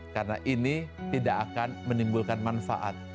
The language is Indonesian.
karena ini tidak akan menimbulkan manfaat